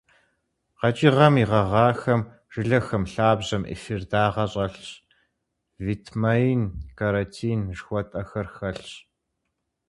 Къэкӏыгъэм и гъэгъахэм, жылэхэм, лъабжьэм эфир дагъэ щӏэлъщ, витмаин, каротин жыхуэтӏэхэр хэлъщ.